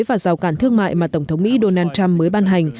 và rào cản thương mại mà tổng thống mỹ donald trump mới ban hành